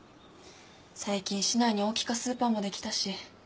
最近市内に大きかスーパーもできたし小さか